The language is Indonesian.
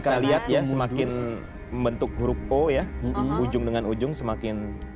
kita lihat ya semakin membentuk huruf o ya ujung dengan ujung semakin